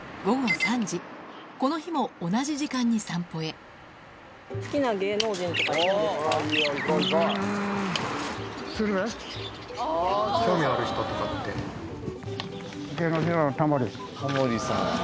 この日も同じ時間に散歩へうん。